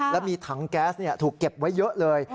แล้วมีถังแก๊สถูกเก็บไว้เยอะเลย